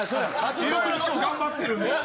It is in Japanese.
いろいろ今日頑張ってるんで。